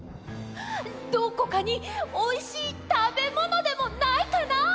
どこかにおいしいたべものでもないかな？